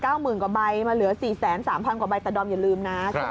เกิดมาเหลือ๔๓๓๐๐๐กว่าใบตะดอมอย่าลืมนะ